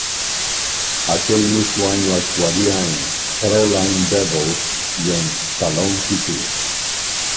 Aquel mismo año actuaría en "Fräulein Devil" y en "Salón Kitty".